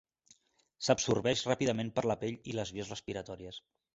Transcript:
S'absorbeix ràpidament per la pell i les vies respiratòries.